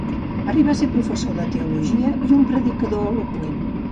Arribà a ser professor de teologia i un predicador eloqüent.